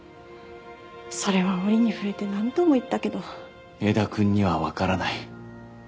それは折に触れて何度も言ったけど江田君にはわからない